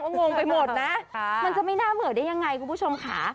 งงไปหมดนะมันจะไม่น่าเบื่อได้ยังไงคุณผู้ชมค่ะ